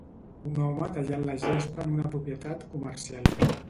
Un home tallant la gespa en una propietat comercial.